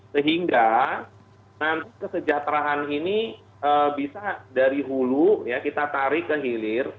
sehingga nanti kesejahteraan ini bisa dari hulu kita tarik ke hilir